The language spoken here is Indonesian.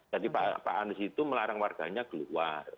jadi pak anies itu melarang warganya keluar